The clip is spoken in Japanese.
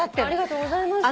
ありがとうございます。